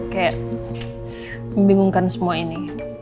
kayak membingungkan semua ini